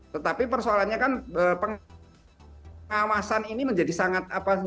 tetapi persoalannya kan pengawasan ini menjadi hal yang penting